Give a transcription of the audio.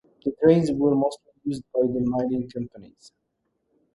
The trains were mostly used by the mining companies.